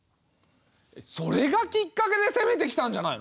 それがきっかけで攻めてきたんじゃないの？